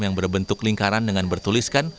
yang berbentuk lingkaran dengan bertuliskan